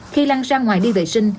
khi lăng ra ngoài đi vệ sinh